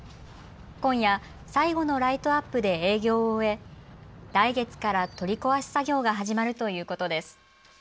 今夜、最後のライトアップで営業を終え来月から取り壊し作業が始まるということです。